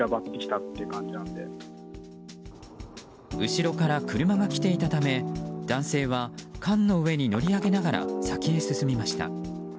後ろから車が来ていたため男性は缶の上に乗り上げながら先へ進みました。